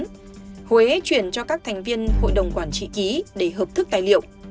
sau đó huế chuyển cho các thành viên hội đồng quản trị ký để hợp thức tài liệu